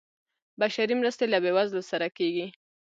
بشري مرستې له بیوزلو سره کیږي